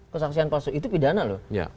kesaksian itu pidana loh